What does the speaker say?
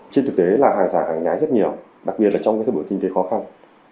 trên thực tế là hàng giả hàng nhái rất nhiều đặc biệt là trong thời buổi kinh tế khó khăn